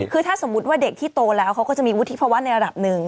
คือถ้าสมมุติว่าเด็กที่โตแล้วเขาก็จะมีวุฒิภาวะในระดับหนึ่ง